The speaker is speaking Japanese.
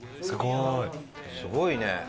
すごいね。